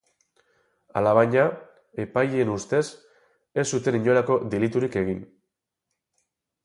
Alabaina, epaileen ustez, ez zuten inolako deliturik egin.